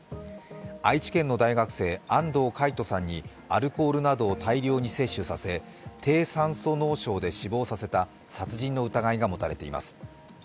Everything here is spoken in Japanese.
愛知県の大学生、安藤魁人さんにアルコールなどを大量に摂取させ低酸素脳症で死亡させた殺人の疑いが持たれています。